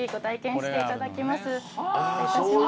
失礼いたします。